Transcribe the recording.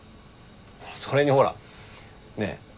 それにほらねえ